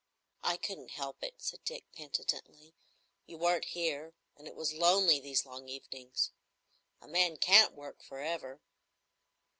"I couldn't help it," said Dick, penitently. "You weren't here, and it was lonely these long evenings. A man can't work for ever."